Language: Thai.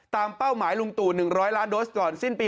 เป้าหมายลุงตู่๑๐๐ล้านโดสก่อนสิ้นปี